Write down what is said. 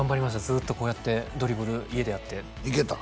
ずっとこうやってドリブル家でやっていけた？